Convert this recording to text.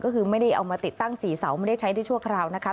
ก็คือไม่ได้เอามาติดตั้ง๔เสาไม่ได้ใช้ได้ชั่วคราวนะคะ